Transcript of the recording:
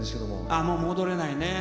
ああもう戻れないね。